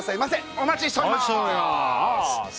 お待ちしております